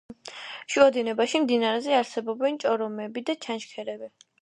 შუა დინებაში მდინარეზე არსებობენ ჭორომები და ჩანჩქერები.